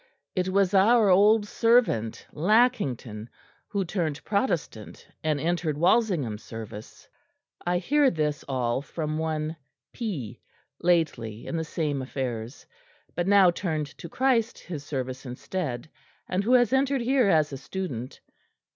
It was our old servant Lackington; who turned Protestant and entered Walsingham's service. I hear all this from one P. lately in the same affairs, but now turned to Christ his service instead; and who has entered here as a student.